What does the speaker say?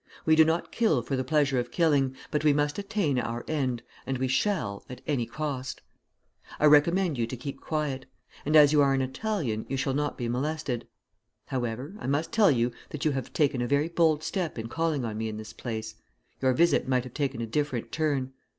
We do not kill for the pleasure of killing, but we must attain our end, and we shall, at any cost. I recommend you to keep quiet. As you are an Italian, you shall not be molested. However, I must tell you that you have taken a very bold step in calling on me in this place. Your visit might have taken a different turn.